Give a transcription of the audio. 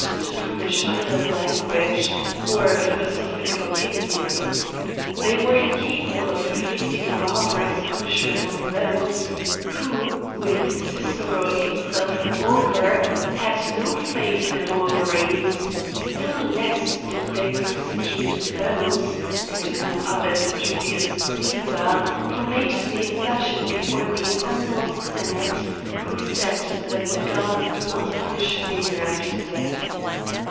181 punish idle language, or philosophical opinions. They were incapable of inflicting a barbarous pun ishment on those, who, with Cicero, himself an augur, had no faith in auguries ; still less did they persecute those, (and among others Julius Caesar, who made the assertion before the assembled se nate,) who said, that the gods do not punish men after death.